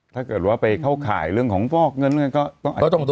ถ้าเกิดว่าไปเข้าขายเรื่องของพ่อเงินก็ต้องโดนหมด